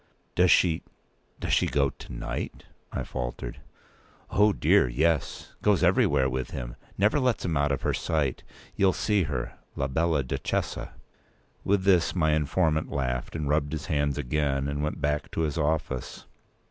"Does she—does she go to night?" I faltered. "O dear, yes—goes everywhere with him—never lets him out of her sight. You'll see her—la bella Duchessa!" With this my informant laughed, and rubbed his hands again, and went back to his office.